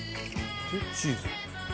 チーズ。